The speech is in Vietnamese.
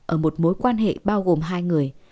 ở một mối quan hệ bao gồm hai người